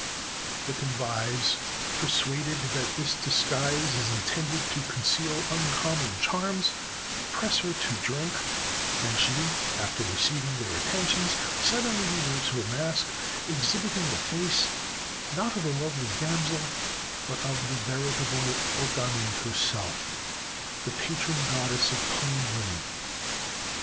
The convives, persuaded that this disguise is intended to conceal uncommon charms, press her to drink; and she, after receiving their atten tions, suddenly removes her mask, exhibiting the face, not of a lovely damsel, but of the veritable Okame her self, the patron goddess of plain women.